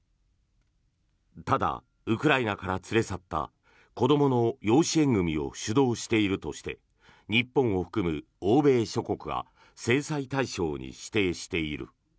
ただ、ウクライナから連れ去った子どもの養子縁組を主導しているとして日本を含む欧米諸国が制裁対象に指定している。